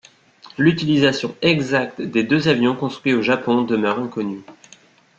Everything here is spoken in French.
L'utilisation exacte des deux avions construits au Japon demeure inconnue.